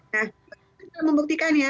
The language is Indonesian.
nah itu membuktikan ya